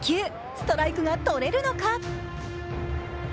ストライクが取れるのか。